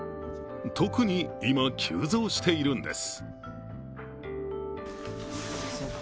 特に今、急増しているんです。